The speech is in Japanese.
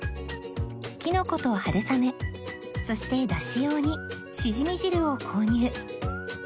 キノコと春雨そしてダシ用にしじみ汁を購入